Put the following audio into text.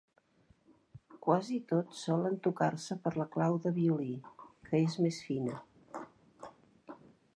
Quasi tots solen tocar-se per la clau de violí, que és més fina.